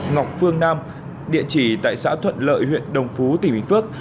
ngọc phương nam địa chỉ tại xã thuận lợi huyện đồng phú tỉnh bình phước